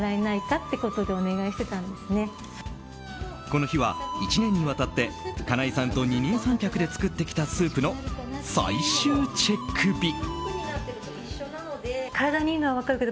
この日は１年にわたって金井さんと二人三脚で作ってきたスープの最終チェック日。